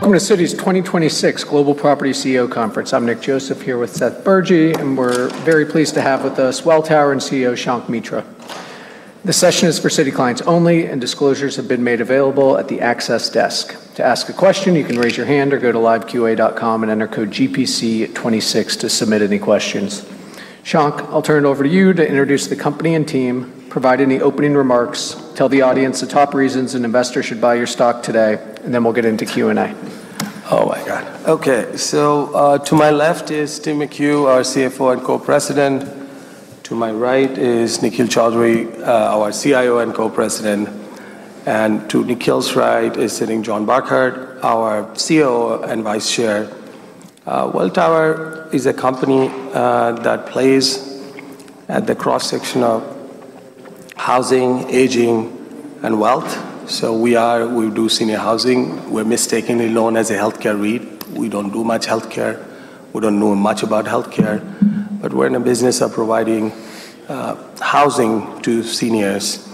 Welcome to Citi's 2026 Global Property CEO Conference. I'm Nick Joseph, here with Seth Bergy. We're very pleased to have with us Welltower CEO, Shankh Mitra. This session is for Citi clients only. Disclosures have been made available at the access desk. To ask a question, you can raise your hand or go to liveqa.com and enter code GPC26 to submit any questions. Shank, I'll turn it over to you to introduce the company and team, provide any opening remarks, tell the audience the top reasons an investor should buy your stock today, then we'll get into Q&A. Oh my God. Okay. To my left is Tim McHugh, our CFO and Co-President. To my right is Nikhil Chaudhri, our CIO and Co-President. To Nikhil's right is sitting John Burkart, our COO and Vice Chair. Welltower is a company that plays at the cross-section of housing, aging, and wealth. We do senior housing. We're mistakenly known as a healthcare REIT. We don't do much healthcare. We don't know much about healthcare. We're in a business of providing housing to seniors,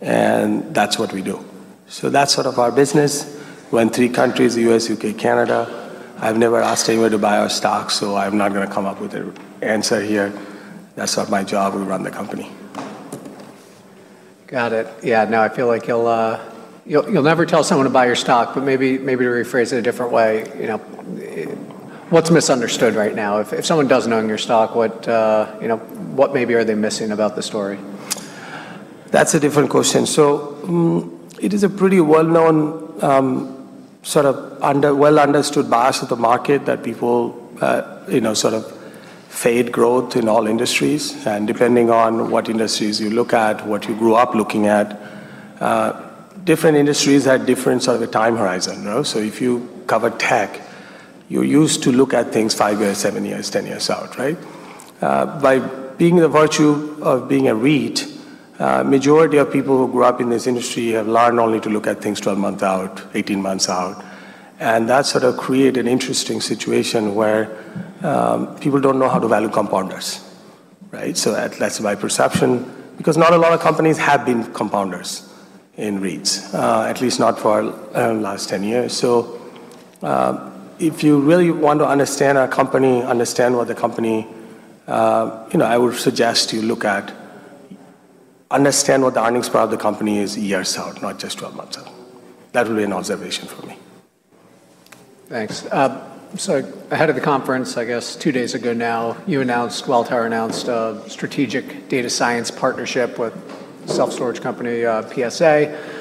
that's what we do. That's sort of our business. We're in three countries, U.S., U.K., Canada. I've never asked anyone to buy our stock, I'm not gonna come up with a answer here. That's not my job. We run the company. Got it. Yeah. No, I feel like you'll never tell someone to buy your stock, but maybe to rephrase it a different way, you know, what's misunderstood right now? If someone doesn't own your stock, what, you know, what maybe are they missing about the story? That's a different question. It is a pretty well-known, well-understood bias of the market that people, you know, sort of fade growth in all industries. Depending on what industries you look at, what you grew up looking at, different industries have different sort of a time horizon, no? If you cover tech, you're used to look at things five years, seven years, 10 years out, right? By being the virtue of being a REIT, majority of people who grew up in this industry have learned only to look at things 12 months out, 18 months out. That sort of create an interesting situation where people don't know how to value compounders, right? At least my perception, because not a lot of companies have been compounders in REITs, at least not for last 10 years. If you really want to understand our company, understand what the company, you know, I would suggest you look at understand what the earnings power of the company is years out, not just 12 months out. That would be an observation from me. Thanks. Ahead of the conference, I guess two days ago now, you announced, Welltower announced a strategic data science partnership with self-storage company, PSA.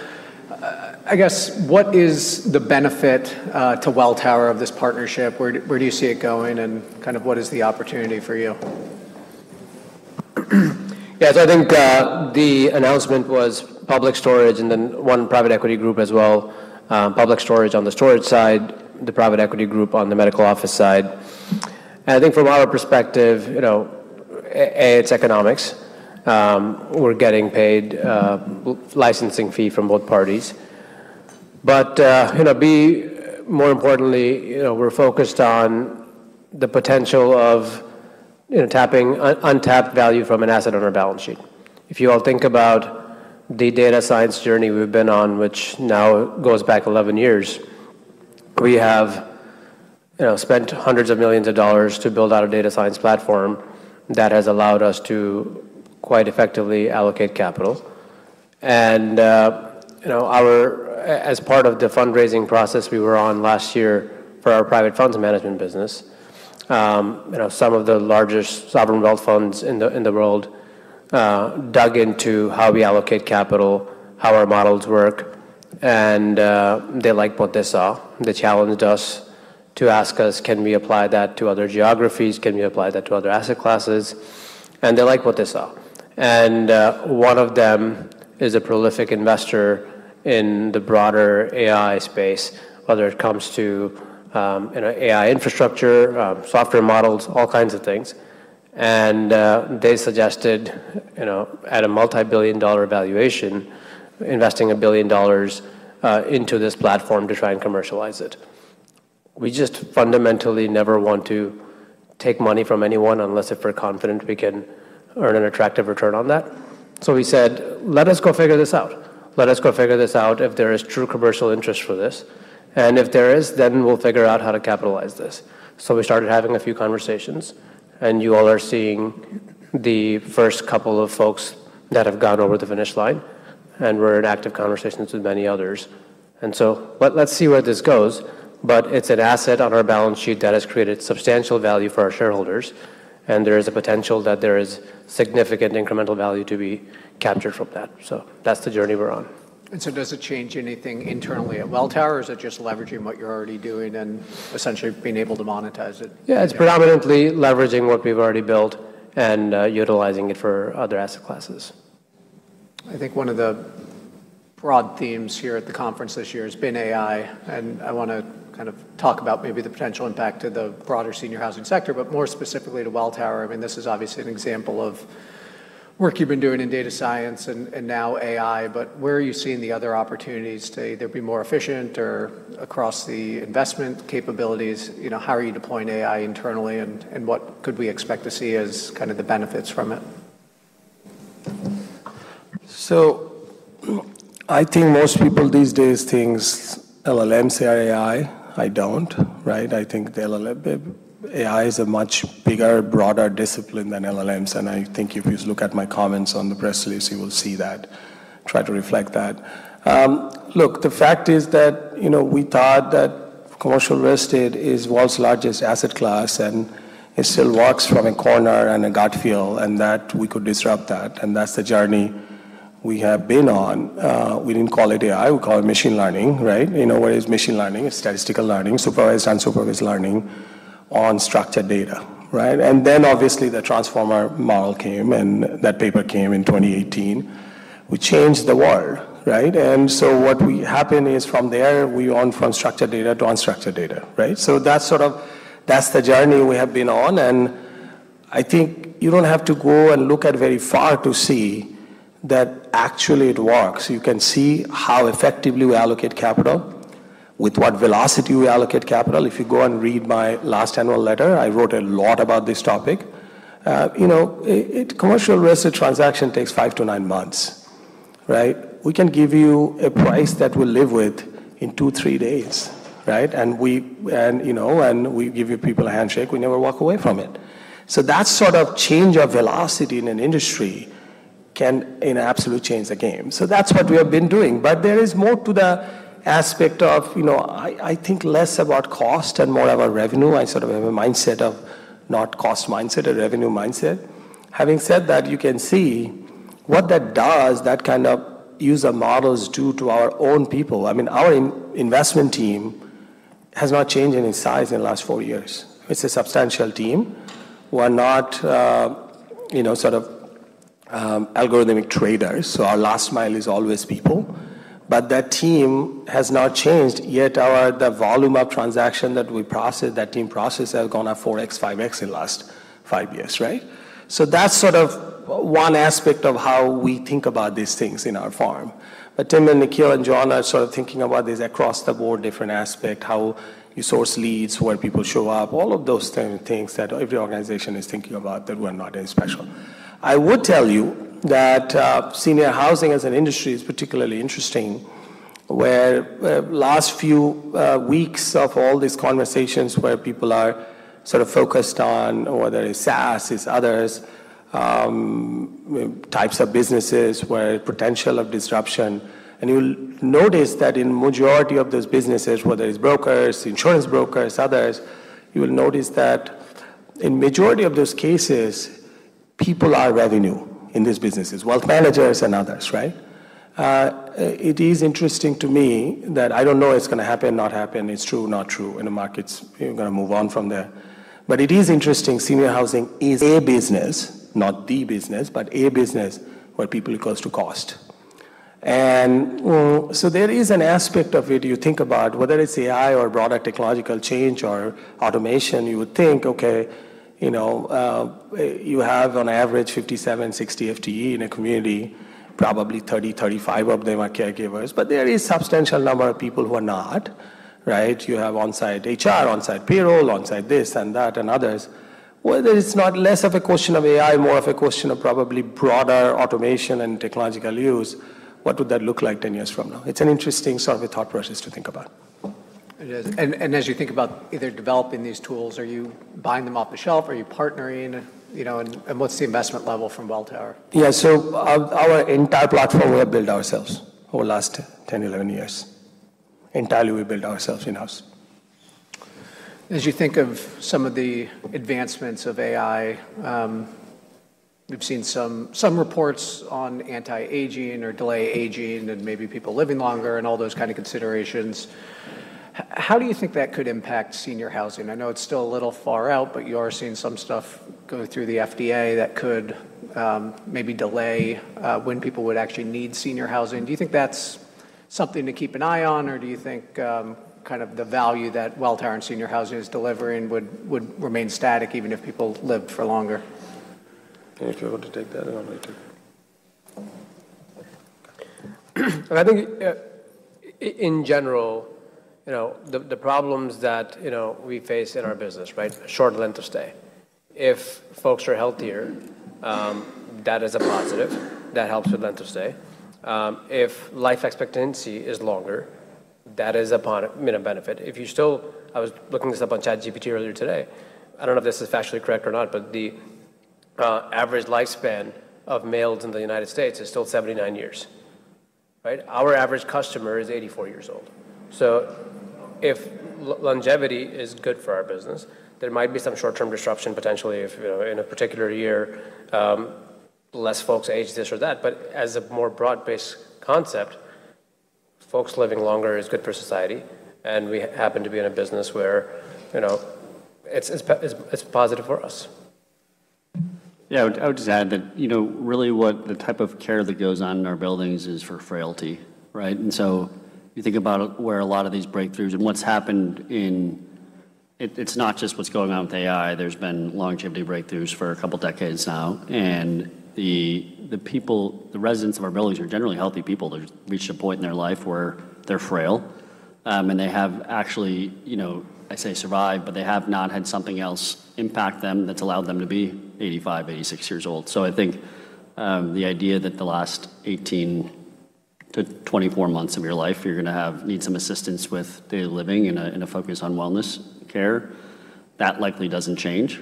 I guess, what is the benefit to Welltower of this partnership? Where, where do you see it going, and kind of what is the opportunity for you? Yeah. I think the announcement was Public Storage and a private equity group as well. Public Storage on the storage side, the private equity group on the medical office side. I think from our perspective, you know, A, it's economics. We're getting paid a licensing fee from both parties. B, more importantly, you know, we're focused on the potential of tapping untapped value from an asset on our balance sheet. If you all think about the data science journey we've been on, which now goes back 11 years, we have, you know, spent hundreds of millions of dollars to build out a data science platform that has allowed us to quite effectively allocate capital. you know, as part of the fundraising process we were on last year for our private funds management business, you know, some of the largest sovereign wealth funds in the world dug into how we allocate capital, how our models work, they liked what they saw. They challenged us to ask us, "Can we apply that to other geographies? Can we apply that to other asset classes?" They liked what they saw. One of them is a prolific investor in the broader AI space, whether it comes to, you know, AI infrastructure, software models, all kinds of things. They suggested, you know, at a multi-billion dollar valuation, investing $1 billion into this platform to try and commercialize it. We just fundamentally never want to take money from anyone unless if we're confident we can earn an attractive return on that. We said, "Let us go figure this out. Let us go figure this out if there is true commercial interest for this. If there is, then we'll figure out how to capitalize this." We started having a few conversations, and you all are seeing the first couple of folks that have gone over the finish line, and we're in active conversations with many others. Let's see where this goes, but it's an asset on our balance sheet that has created substantial value for our shareholders, and there is a potential that there is significant incremental value to be captured from that. That's the journey we're on. Does it change anything internally at Welltower, or is it just leveraging what you're already doing and essentially being able to monetize it? Yeah. It's predominantly leveraging what we've already built and, utilizing it for other asset classes. I think one of the broad themes here at the conference this year has been AI, and I wanna kind of talk about maybe the potential impact to the broader senior housing sector, but more specifically to Welltower. I mean, this is obviously an example of work you've been doing in data science and now AI, but where are you seeing the other opportunities to either be more efficient or across the investment capabilities? You know, how are you deploying AI internally, and what could we expect to see as kind of the benefits from it? I think most people these days thinks LLMs are AI. I don't, right? I think AI is a much bigger, broader discipline than LLMs, and I think if you look at my comments on the press release, you will see that try to reflect that. Look, the fact is that, you know, we thought that commercial real estate is world's largest asset class, and it still works from a corner and a gut feel, and that we could disrupt that, and that's the journey we have been on. We didn't call it AI. We call it machine learning, right? You know what is machine learning? It's statistical learning, supervised learning, unsupervised learning on structured data, right? Obviously the transformer model came, and that paper came in 2018, which changed the world, right? What we happen is from there, we went from structured data to unstructured data, right? That's the journey we have been on. I think you don't have to go and look at very far to see that actually it works. You can see how effectively we allocate capital, with what velocity we allocate capital. If you go and read my last annual letter, I wrote a lot about this topic. You know, commercial real estate transaction takes five to nine months, right? We can give you a price that we'll live with in two, three days, right? You know, and we give you people a handshake. We never walk away from it. That sort of change of velocity in an industry can in absolute change the game. That's what we have been doing. There is more to the aspect of, you know, I think less about cost and more about revenue. I sort of have a mindset of not cost mindset, a revenue mindset. Having said that, you can see what that does, that kind of use of models do to our own people. I mean, our investment team has not changed in its size in the last four years. It's a substantial team. We're not, you know, sort of algorithmic traders, so our last mile is always people. That team has not changed, yet the volume of transaction that we process, that team process has gone up 4X, 5X in the last five years, right? That's sort of one aspect of how we think about these things in our firm. Tim and Nikhil and John are sort of thinking about this across the board, different aspect, how you source leads, where people show up, all of those things that every organization is thinking about that we're not any special. I would tell you that senior housing as an industry is particularly interesting, where last few weeks of all these conversations where people are sort of focused on whether it's SaaS, it's others, types of businesses where potential of disruption. You'll notice that in majority of those businesses, whether it's brokers, insurance brokers, others, you will notice that in majority of those cases, people are revenue in these businesses, wealth managers and others, right? It is interesting to me that I don't know it's gonna happen, not happen, it's true, not true in the markets. You're gonna move on from there. It is interesting senior housing is a business, not the business, but a business where people equals to cost. There is an aspect of it you think about, whether it's AI or broader technological change or automation, you would think, okay, you know, you have on average 57, 60 FTE in a community, probably 30, 35 of them are caregivers. There is substantial number of people who are not, right? You have on-site HR, on-site payroll, on-site this and that and others. Whether it's not less of a question of AI, more of a question of probably broader automation and technological use, what would that look like 10 years from now? It's an interesting sort of a thought process to think about. It is. As you think about either developing these tools, are you buying them off the shelf? Are you partnering? You know, and what's the investment level from Welltower? Yeah. Our entire platform we have built ourselves over last 10, 11 years. Entirely we built ourselves in-house. As you think of some of the advancements of AI, we've seen some reports on anti-aging or delay aging and maybe people living longer and all those kind of considerations. How do you think that could impact senior housing? I know it's still a little far out, but you are seeing some stuff go through the FDA that could maybe delay when people would actually need senior housing. Do you think that's something to keep an eye on, or do you think kind of the value that Welltower and senior housing is delivering would remain static even if people lived for longer? Can you two want to take that, and I'll wait too? I think in general, you know, the problems that, you know, we face in our business, right? Short length of stay. If folks are healthier, that is a positive. That helps with length of stay. If life expectancy is longer, that is a you know, benefit. If you still... I was looking this up on ChatGPT earlier today. I don't know if this is factually correct or not, but the average lifespan of males in the United States is still 79 years, right? Our average customer is 84 years old. If longevity is good for our business, there might be some short-term disruption potentially if, you know, in a particular year, less folks age this or that. As a more broad-based concept, folks living longer is good for society, and we happen to be in a business where, you know, it's positive for us. Yeah. I would just add that, you know, really what the type of care that goes on in our buildings is for frailty, right? You think about where a lot of these breakthroughs and what's happened. It's not just what's going on with AI. There's been longevity breakthroughs for a couple decades now. The people, the residents of our buildings are generally healthy people. They've reached a point in their life where they're frail. They have actually, you know, I say survived, but they have not had something else impact them that's allowed them to be 85, 86 years old. I think the idea that the last 18-24 months of your life, you're gonna need some assistance with daily living and a, and a focus on wellness care. That likely doesn't change.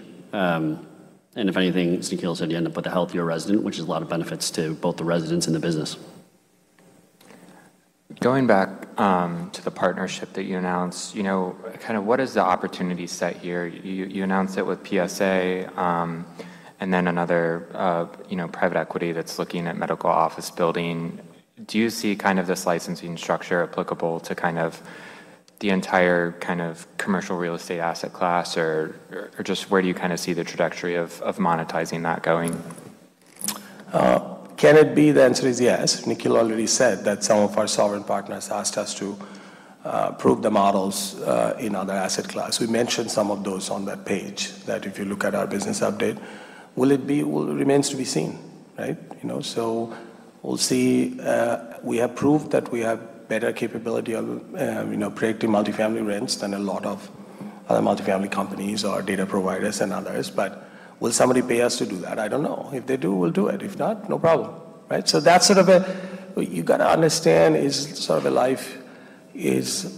If anything, Nikhil said you end up with a healthier resident, which is a lot of benefits to both the residents and the business. Going back, to the partnership that you announced, you know, kinda what is the opportunity set here? You announced it with PSA, and then another, you know, private equity that's looking at medical office building. Do you see kind of this licensing structure applicable to kind of the entire kind of commercial real estate asset class? Or just where do you kinda see the trajectory of monetizing that going? Can it be the answer is yes? Nikhil already said that some of our sovereign partners asked us to prove the models in other asset class. We mentioned some of those on that page, that if you look at our business update, remains to be seen, right? You know, we'll see. We have proved that we have better capability of, you know, predicting multifamily rents than a lot of other multifamily companies or data providers and others. Will somebody pay us to do that? I don't know. If they do, we'll do it. If not, no problem, right? That's sort of what you gotta understand is sort of a life is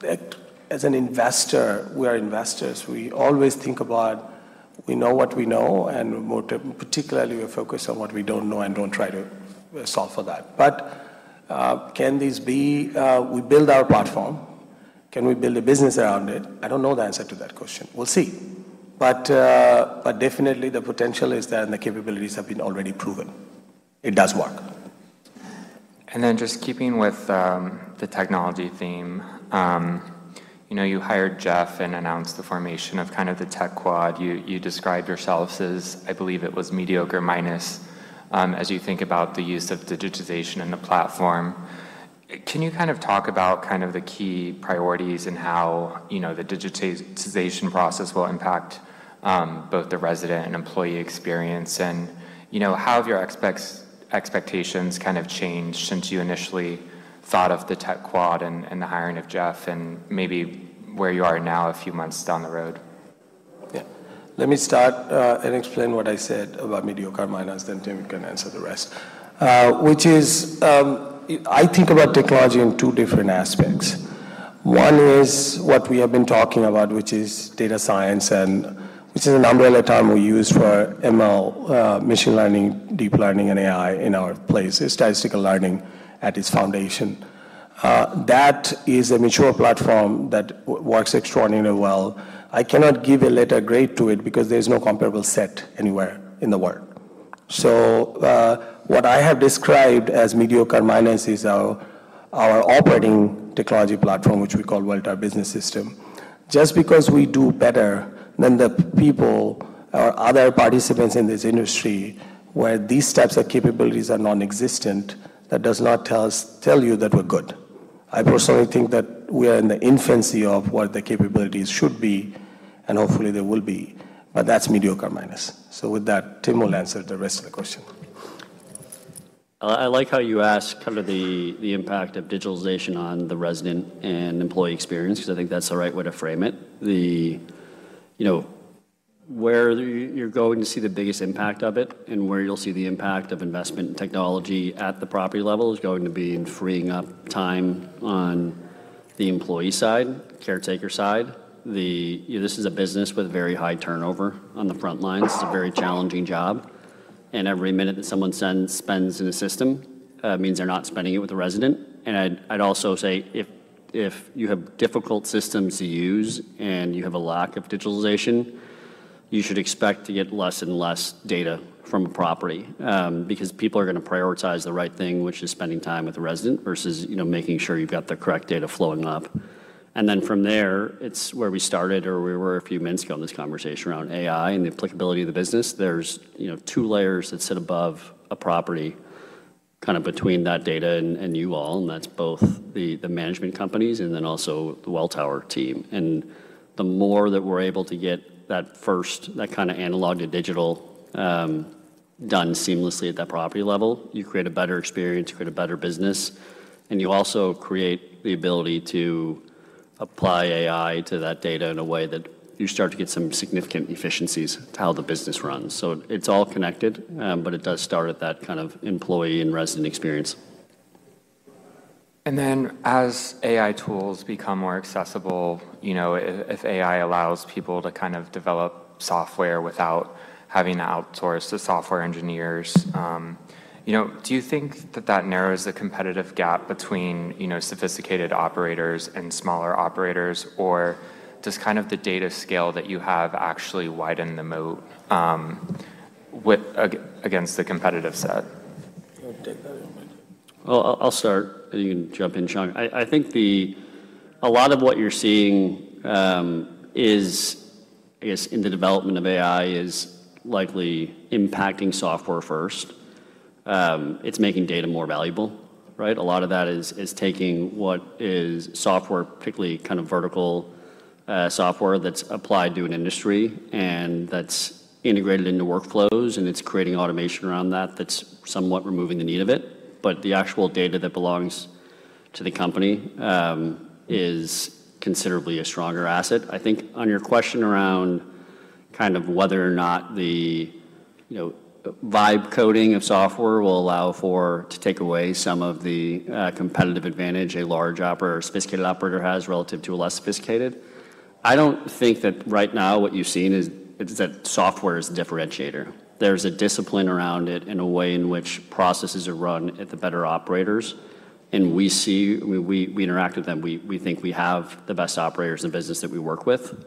that as an investor, we are investors. We always think about we know what we know, particularly we're focused on what we don't know and don't try to solve for that. Can these be, we build our platform, can we build a business around it? I don't know the answer to that question. We'll see. Definitely the potential is there and the capabilities have been already proven. It does work. Just keeping with, you know, the technology theme, you hired Jeff and announced the formation of kind of the Tech Quad. You described yourselves as, I believe it was mediocre minus. As you think about the use of digitization in the platform, can you kind of talk about kind of the key priorities and how, you know, the digitization process will impact both the resident and employee experience? You know, how have your expectations kind of changed since you initially thought of the Tech Quad and the hiring of Jeff and maybe where you are now a few months down the road? Yeah. Let me start and explain what I said about mediocre minus, then Tim McHugh can answer the rest. I think about technology in two different aspects. One is what we have been talking about, which is data science, and this is an umbrella term we use for ML, machine learning, deep learning, and AI in our place. It's statistical learning at its foundation. That is a mature platform that works extraordinarily well. I cannot give a letter grade to it because there's no comparable set anywhere in the world. What I have described as mediocre minus is our operating technology platform, which we call Welltower Business System. Just because we do better than the people or other participants in this industry where these types of capabilities are non-existent, that does not tell you that we're good. I personally think that we are in the infancy of what the capabilities should be, and hopefully they will be, but that's mediocre minus. With that, Tim will answer the rest of the question. I like how you ask kind of the impact of digitalization on the resident and employee experience, 'cause I think that's the right way to frame it. The, you know, where you're going to see the biggest impact of it and where you'll see the impact of investment in technology at the property level is going to be in freeing up time on the employee side, caretaker side. This is a business with very high turnover on the front lines. It's a very challenging job, and every minute that someone spends in the system means they're not spending it with a resident. I'd also say if you have difficult systems to use and you have a lack of digitalization, you should expect to get less and less data from a property because people are gonna prioritize the right thing, which is spending time with the resident versus, you know, making sure you've got the correct data flowing up. Then from there, it's where we started or where we were a few minutes ago in this conversation around AI and the applicability of the business. There's, you know, two layers that sit above a property kinda between that data and you all, and that's both the management companies and then also the Welltower team. The more that we're able to get that first, that kinda analog to digital, done seamlessly at that property level, you create a better experience, you create a better business, and you also create the ability to apply AI to that data in a way that you start to get some significant efficiencies to how the business runs. It's all connected, but it does start at that kind of employee and resident experience. As AI tools become more accessible, you know, if AI allows people to kind of develop software without having to outsource to software engineers, you know, do you think that that narrows the competitive gap between, you know, sophisticated operators and smaller operators? Does kind of the data scale that you have actually widen the moat, against the competitive set? You wanna take that or you want me to? Well, I'll start, and you can jump in, Shaun. I think a lot of what you're seeing, is, I guess, in the development of AI is likely impacting software first. It's making data more valuable, right? A lot of that is taking what is software, particularly kind of vertical, software that's applied to an industry and that's integrated into workflows, and it's creating automation around that that's somewhat removing the need of it. The actual data that belongs to the company, is considerably a stronger asset. I think on your question around. Kind of whether or not the, you know, vibe coding of software will allow for to take away some of the competitive advantage a large operator or sophisticated operator has relative to a less sophisticated. I don't think that right now what you've seen is that software is the differentiator. There's a discipline around it and a way in which processes are run at the better operators. We see We interact with them. We think we have the best operators in business that we work with.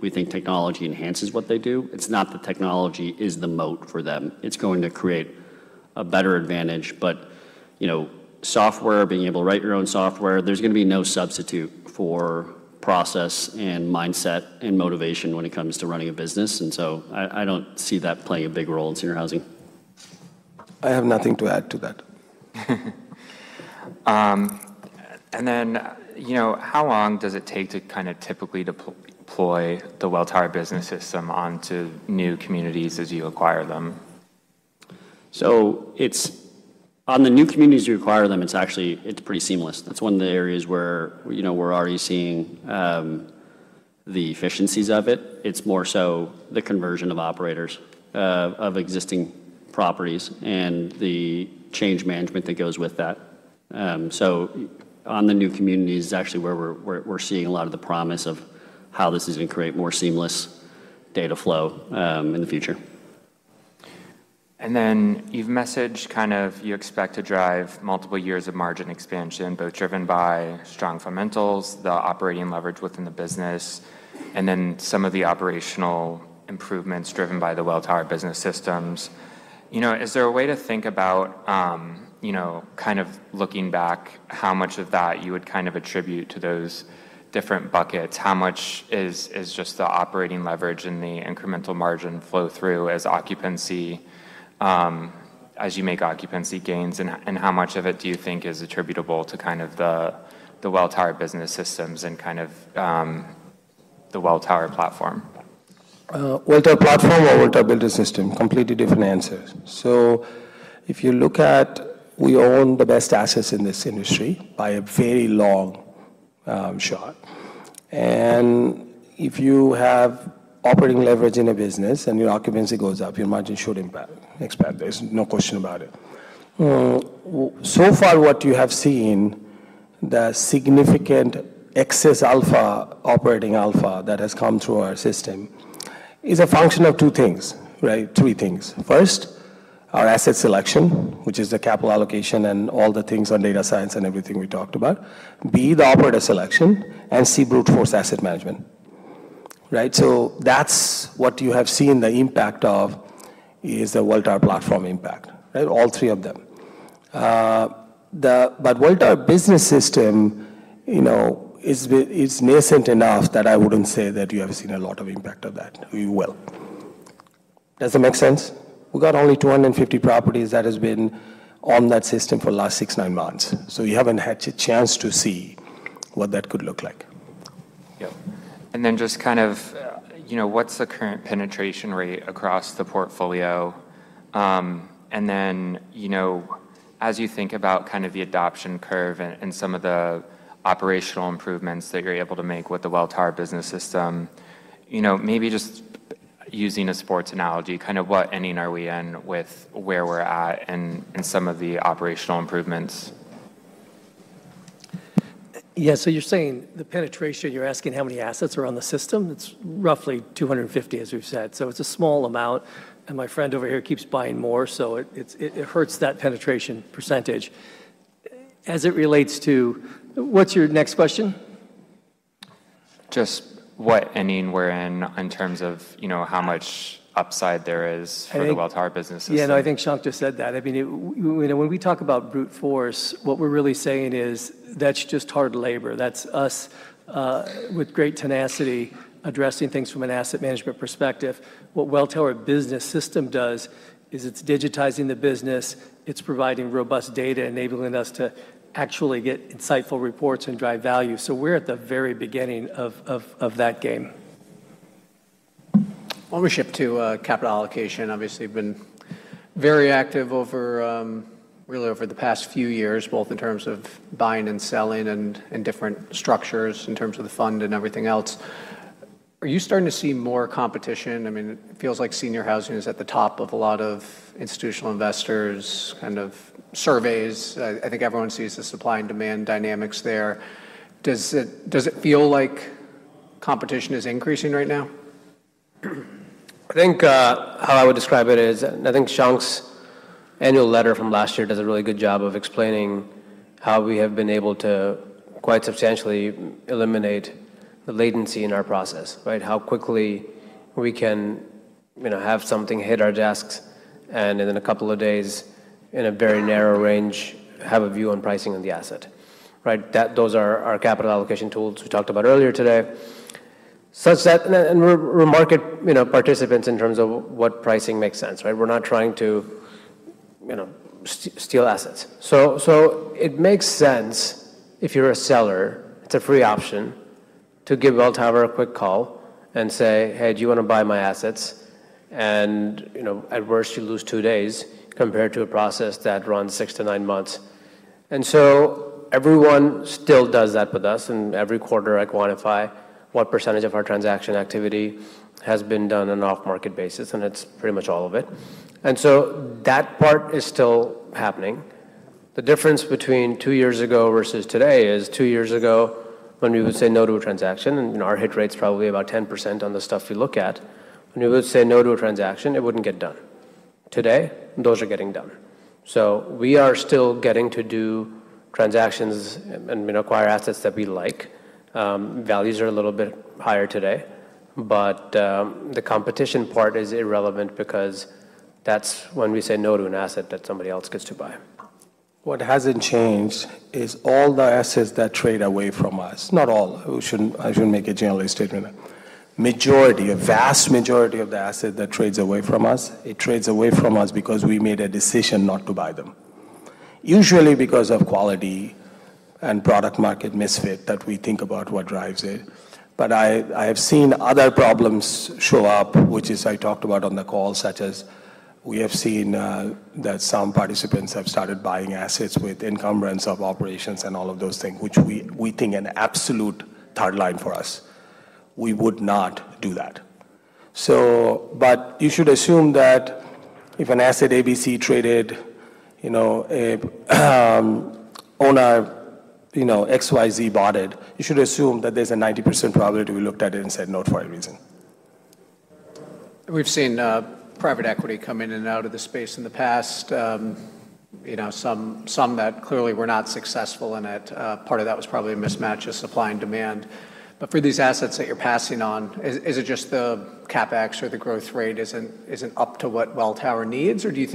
We think technology enhances what they do. It's not the technology is the moat for them. It's going to create a better advantage. You know, software, being able to write your own software, there's gonna be no substitute for process and mindset and motivation when it comes to running a business. I don't see that playing a big role in senior housing. I have nothing to add to that. you know, how long does it take to kinda typically deploy the Welltower Business System onto new communities as you acquire them? On the new communities you acquire them, it's actually, it's pretty seamless. That's one of the areas where, you know, we're already seeing the efficiencies of it. It's more so the conversion of operators of existing properties and the change management that goes with that. On the new communities is actually where we're seeing a lot of the promise of how this is gonna create more seamless data flow in the future. You've messaged kind of you expect to drive multiple years of margin expansion, both driven by strong fundamentals, the operating leverage within the business, and then some of the operational improvements driven by the Welltower Business Systems. You know, is there a way to think about, you know, kind of looking back how much of that you would kind of attribute to those different buckets? How much is just the operating leverage and the incremental margin flow through as occupancy, as you make occupancy gains, and how much of it do you think is attributable to kind of the Welltower Business Systems and kind of, the Welltower platform? Welltower platform or Welltower Business System? Completely different answers. If you look at we own the best assets in this industry by a very long shot. If you have operating leverage in a business and your occupancy goes up, your margin should impact, expand. There's no question about it. So far what you have seen, the significant excess alpha, operating alpha that has come through our system is a function of two things, right? Three things. First, our asset selection, which is the capital allocation and all the things on data science and everything we talked about. B, the operator selection, and C, brute force asset management, right? That's what you have seen the impact of is the Welltower platform impact, right? All three of them. Welltower Business System, you know, is nascent enough that I wouldn't say that you have seen a lot of impact of that. You will. Does that make sense? We've got only 250 properties that has been on that system for the last six, nine months. You haven't had the chance to see what that could look like. Yep. Then just kind of, you know, what's the current penetration rate across the portfolio? And then, you know, as you think about kind of the adoption curve and some of the operational improvements that you're able to make with the Welltower Business System, you know, maybe just using a sports analogy, kind of what inning are we in with where we're at and some of the operational improvements? Yeah. You're saying the penetration, you're asking how many assets are on the system? It's roughly 250, as we've said. It's a small amount, and my friend over here keeps buying more, so it's, it hurts that penetration percentage. As it relates to... What's your next question? Just what inning we're in in terms of, you know, how much upside there is. Hey- for the Welltower Business System. Yeah. No, I think Shankh just said that. I mean, you know, when we talk about brute force, what we're really saying is that's just hard labor. That's us, with great tenacity addressing things from an asset management perspective. What Welltower Business System does is it's digitizing the business. It's providing robust data enabling us to actually get insightful reports and drive value. We're at the very beginning of that game. Ownership to capital allocation, obviously you've been very active over really over the past few years, both in terms of buying and selling and different structures in terms of the fund and everything else. Are you starting to see more competition? I mean, it feels like senior housing is at the top of a lot of institutional investors kind of surveys. I think everyone sees the supply and demand dynamics there. Does it feel like competition is increasing right now? I think, how I would describe it is I think Shankh's annual letter from last year does a really good job of explaining how we have been able to quite substantially eliminate the latency in our process, right? How quickly we can, you know, have something hit our desks and within a couple of days in a very narrow range have a view on pricing of the asset, right? Those are our capital allocation tools we talked about earlier today. We're, we're market, you know, participants in terms of what pricing makes sense, right? We're not trying to, you know, steal assets. It makes sense if you're a seller, it's a free option to give Welltower a quick call and say, "Hey, do you wanna buy my assets?" You know, at worst you lose 2 days compared to a process that runs 6-9 months. Everyone still does that with us, and every quarter I quantify what percentage of our transaction activity has been done on an off-market basis, and it's pretty much all of it. That part is still happening. The difference between two years ago versus today is two years ago, when we would say no to a transaction, and our hit rate's probably about 10% on the stuff we look at. When we would say no to a transaction, it wouldn't get done. Today, those are getting done. We are still getting to do transactions and acquire assets that we like. Values are a little bit higher today, but the competition part is irrelevant because that's when we say no to an asset that somebody else gets to buy. What hasn't changed is all the assets that trade away from us. Not all. I shouldn't make a general statement. Majority, a vast majority of the asset that trades away from us, it trades away from us because we made a decision not to buy them. Usually because of quality and product market misfit that we think about what drives it. I have seen other problems show up, which is I talked about on the call, such as we have seen, that some participants have started buying assets with encumbrance of operations and all of those things, which we think an absolute hard line for us. We would not do that. But you should assume that if an asset ABC traded, you know, a owner, you know, XYZ bought it, you should assume that there's a 90% probability we looked at it and said no for a reason. We've seen private equity come in and out of this space in the past. You know, some that clearly were not successful in it. Part of that was probably a mismatch of supply and demand. For these assets that you're passing on, is it just the CapEx or the growth rate isn't up to what Welltower needs? Or do you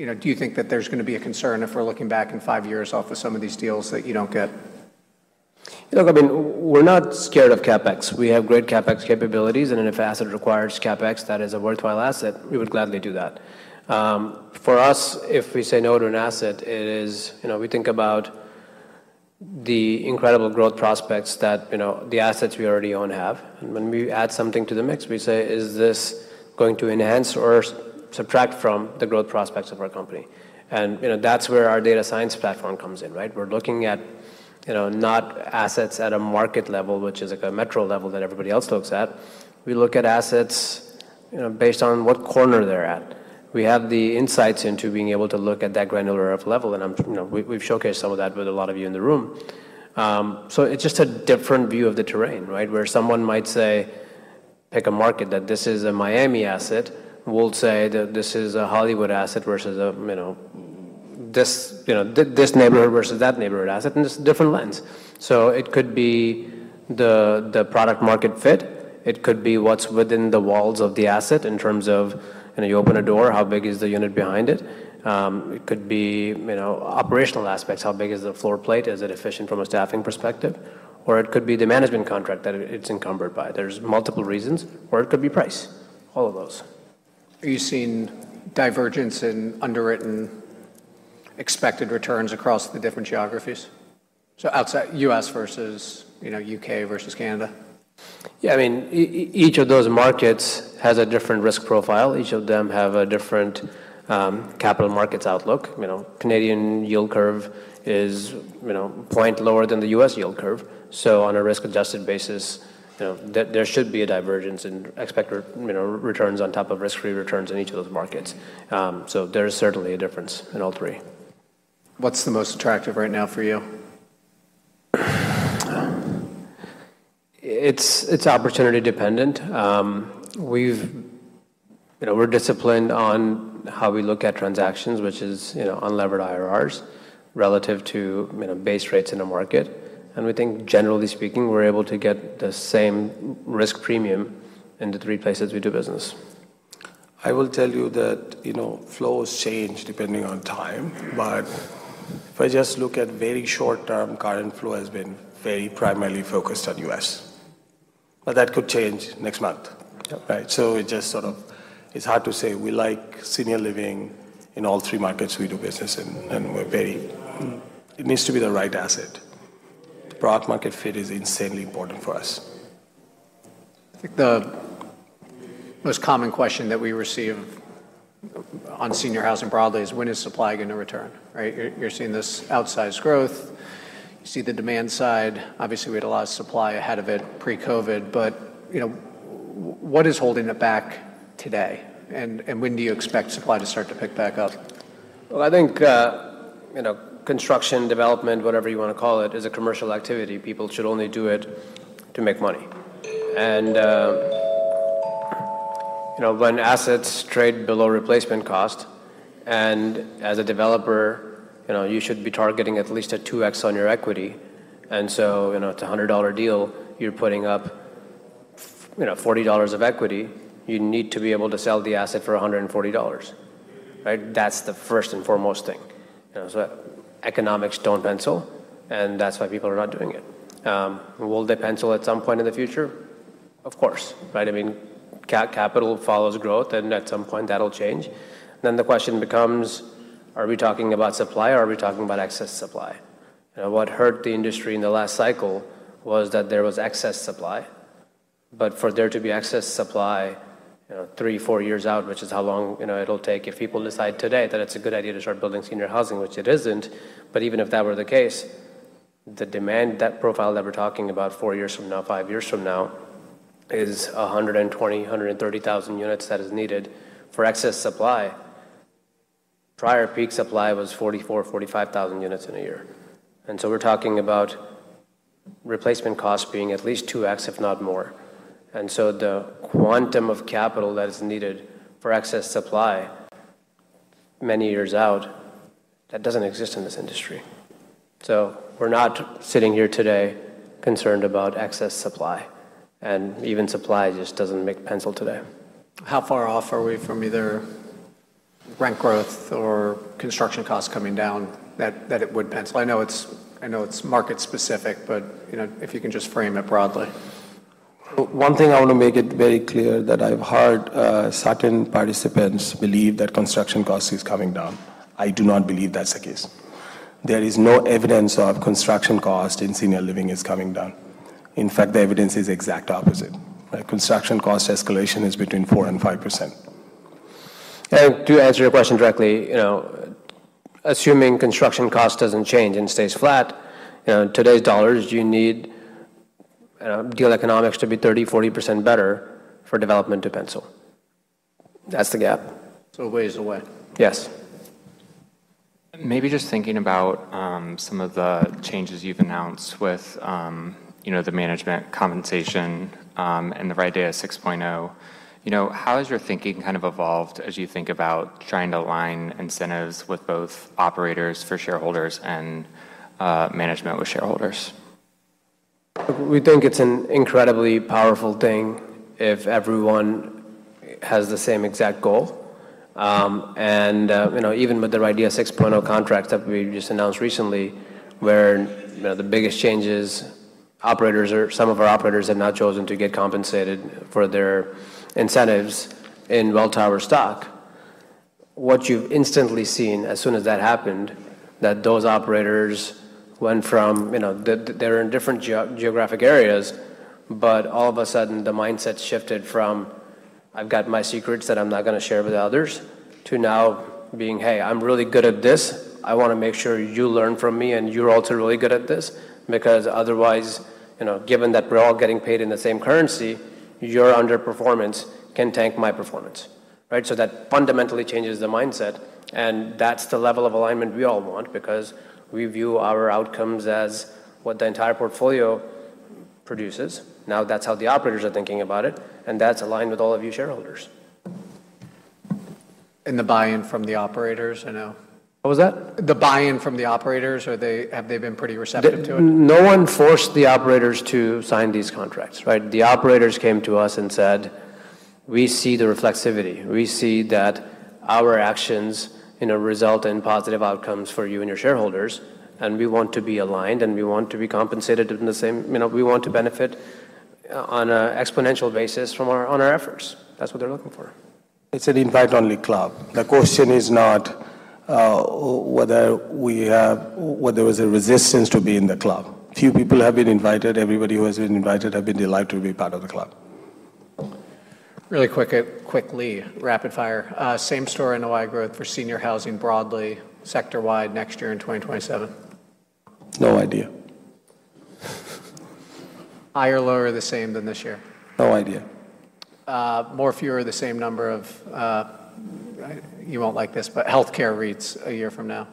think, you know, do you think that there's gonna be a concern if we're looking back in five years off of some of these deals that you don't get? Look, I mean, we're not scared of CapEx. We have great CapEx capabilities, and if an asset requires CapEx that is a worthwhile asset, we would gladly do that. For us, if we say no to an asset, it is, you know, we think about the incredible growth prospects that, you know, the assets we already own have. When we add something to the mix, we say, "Is this going to enhance or subtract from the growth prospects of our company?" You know, that's where our data science platform comes in, right? We're looking at, you know, not assets at a market level, which is like a metro level that everybody else looks at. We look at assets, you know, based on what corner they're at. We have the insights into being able to look at that granular F level. You know, we've showcased some of that with a lot of you in the room. It's just a different view of the terrain, right? Where someone might say, pick a market, that this is a Miami asset. We'll say that this is a Hollywood asset versus you know, this, you know, this neighborhood versus that neighborhood asset. It's a different lens. It could be the Product Market Fit. It could be what's within the walls of the asset in terms of, you know, you open a door, how big is the unit behind it? It could be, you know, operational aspects. How big is the floor plate? Is it efficient from a staffing perspective? It could be the management contract that it's encumbered by. There's multiple reasons. It could be price. All of those. Are you seeing divergence in underwritten expected returns across the different geographies? U.S. versus, you know, U.K. versus Canada. Yeah. I mean, each of those markets has a different risk profile. Each of them have a different, capital markets outlook. You know, Canadian yield curve is, you know, 1 point lower than the U.S. yield curve. On a risk-adjusted basis, you know, there should be a divergence in expected, you know, returns on top of risk-free returns in each of those markets. There is certainly a difference in all three. What's the most attractive right now for you? It's, it's opportunity dependent. You know, we're disciplined on how we look at transactions, which is, you know, unlevered IRRs relative to, you know, base rates in a market. We think, generally speaking, we're able to get the same risk premium in the three places we do business. I will tell you that, you know, flows change depending on time. If I just look at very short term, current flow has been very primarily focused on U.S. That could change next month. Yep. Right? It's hard to say. We like senior living in all three markets we do business in. It needs to be the right asset. product market fit is insanely important for us. I think the most common question that we receive on senior housing broadly is: When is supply gonna return, right? You're seeing this outsized growth. You see the demand side. Obviously, we had a lot of supply ahead of it pre-COVID. You know, what is holding it back today? When do you expect supply to start to pick back up? Well, I think, you know, construction, development, whatever you wanna call it, is a commercial activity. People should only do it to make money. When assets trade below replacement cost, and as a developer, you know, you should be targeting at least a 2x on your equity. So, you know, it's a $100 deal, you're putting up, you know, $40 of equity, you need to be able to sell the asset for $140. Right? That's the first and foremost thing. You know, so economics don't pencil, and that's why people are not doing it. Will they pencil at some point in the future? Of course, right? I mean, capital follows growth, and at some point, that'll change. The question becomes, are we talking about supply, or are we talking about excess supply? You know, what hurt the industry in the last cycle was that there was excess supply. For there to be excess supply, you know, three, four years out, which is how long, you know, it'll take if people decide today that it's a good idea to start building senior housing, which it isn't. Even if that were the case, the demand, that profile that we're talking about four years from now, five years from now, is 120,000-130,000 units that is needed for excess supply. Prior peak supply was 44,000-45,000 units in a year. We're talking about replacement costs being at least 2x, if not more. The quantum of capital that is needed for excess supply many years out, that doesn't exist in this industry. We're not sitting here today concerned about excess supply, and even supply just doesn't make pencil today. How far off are we from either rent growth or construction costs coming down that it would pencil? I know it's market specific, but, you know, if you can just frame it broadly. One thing I want to make it very clear that I've heard certain participants believe that construction cost is coming down. I do not believe that's the case. There is no evidence of construction cost in senior living is coming down. In fact, the evidence is exact opposite, right? Construction cost escalation is between 4% and 5%. To answer your question directly, you know, assuming construction cost doesn't change and stays flat, you know, in today's dollars, you need deal economics to be 30%, 40% better for development to pencil. That's the gap. ways away. Yes. Maybe just thinking about, some of the changes you've announced with, you know, the management compensation, and the RIDEA 6.0, you know, how has your thinking kind of evolved as you think about trying to align incentives with both operators for shareholders and, management with shareholders? We think it's an incredibly powerful thing if everyone has the same exact goal. Even with the RIDEA 6.0 contracts that we just announced recently, where, you know, the biggest change is operators or some of our operators have now chosen to get compensated for their incentives in Welltower stock. What you've instantly seen as soon as that happened, that those operators went from, they're in different geographic areas, but all of a sudden, the mindset shifted from, "I've got my secrets that I'm not gonna share with others," to now being, "Hey, I'm really good at this. I wanna make sure you learn from me, and you're also really good at this," because otherwise, you know, given that we're all getting paid in the same currency, your underperformance can tank my performance, right? That fundamentally changes the mindset, and that's the level of alignment we all want because we view our outcomes as what the entire portfolio produces. That's how the operators are thinking about it, and that's aligned with all of you shareholders. The buy-in from the operators, you know? What was that? The buy-in from the operators. Have they been pretty receptive to it? No one forced the operators to sign these contracts, right? The operators came to us and said, "We see the reflexivity. We see that our actions, you know, result in positive outcomes for you and your shareholders, and we want to be aligned, and we want to be compensated in the same... You know, we want to benefit on a exponential basis from on our efforts." That's what they're looking for. It's an invite-only club. The question is not whether there was a resistance to be in the club. Few people have been invited. Everybody who has been invited have been delighted to be part of the club. Really quick, quickly, rapid fire. Same store NOI growth for senior housing broadly, sector-wide next year in 2027. No idea. Higher or lower or the same than this year? No idea. More, fewer or the same number of, you won't like this, but healthcare REITs a year from now?